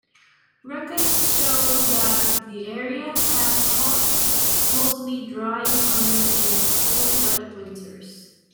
Records show that the area has hot, mostly dry summers and cool, wet winters.